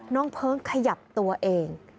น้องเพิ้งขยับตัวเอง